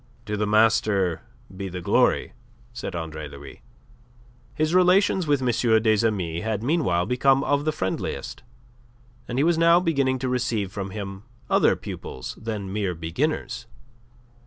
"To the master be the glory," said Andre Louis. His relations with M. des Amis had meanwhile become of the friendliest, and he was now beginning to receive from him other pupils than mere beginners.